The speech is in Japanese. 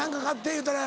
言うたら。